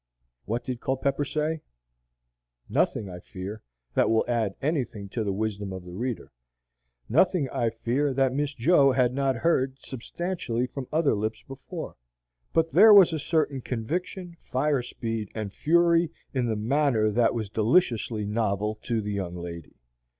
What did Culpepper say? Nothing, I fear, that will add anything to the wisdom of the reader; nothing, I fear, that Miss Jo had not heard substantially from other lips before. But there was a certain conviction, fire speed, and fury in the manner that was deliciously novel to the young lady.